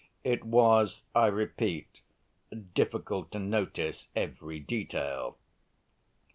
It was, I repeat, difficult to notice every detail.